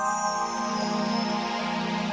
aku sudah berusaha untuk mengatasi